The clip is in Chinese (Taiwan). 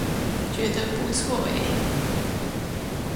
覺得不錯欸